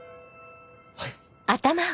はい。